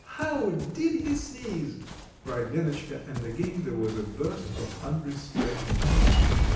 "How he did sneeze!" cried Lenotchka, and again there was a burst of unrestrained laughter.